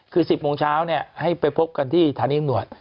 คือ๑๐โมงเช้าเนี่ยให้ไปพบกันที่ฐานีอุปหน่วย